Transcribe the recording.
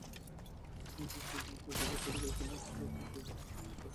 আবার যিনি অভিজাত এলাকায় এখন একটি ফ্ল্যাট কিনেছেন, তাঁকে সারচার্জ দিতে হচ্ছে।